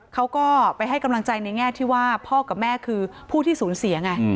เขาก็ไปให้กำลังใจในแง่ที่ว่าพ่อกับแม่คือผู้ที่สูญเสียไง